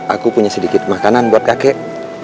aku punya sedikit makanan buat kakek